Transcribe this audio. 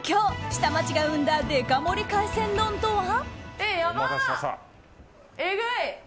下町が生んだデカ盛り海鮮丼とは。